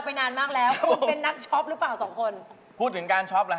เพราะว่าคุณเป็นวันของเรา